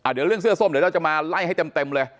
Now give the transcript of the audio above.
เดี๋ยวเรื่องเสื้อส้มจะมาไล่ให้เต็มเลย